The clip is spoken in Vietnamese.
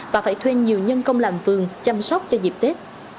và phải thuê nhiều nhân công làm vườn chăm sóc cho dịp tết